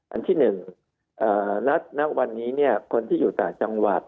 อันที่๑ณวันนี้คนที่อยู่ต่างจังหวัด